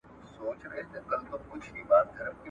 ما پور غوښتی تا نور غوښتی !.